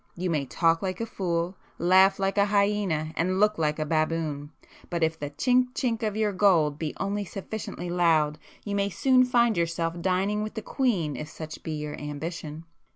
You may talk like a fool, laugh like a hyena and look like a baboon, but if the chink chink of your gold be only sufficiently loud, you may soon find yourself dining with the Queen if such be your ambition.